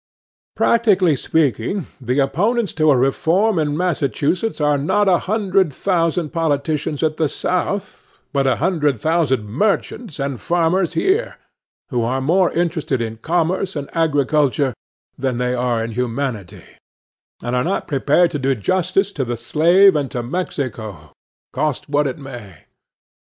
Practically speaking, the opponents to a reform in Massachusetts are not a hundred thousand politicians at the South, but a hundred thousand merchants and farmers here, who are more interested in commerce and agriculture than they are in humanity, and are not prepared to do justice to the slave and to Mexico, cost what it may.